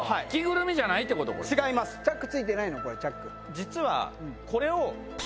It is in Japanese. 実は。